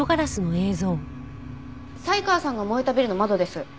才川さんが燃えたビルの窓です。